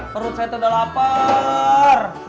perut saya sudah lapar